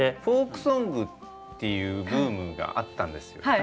フォークソングっていうブームがあったんですよ。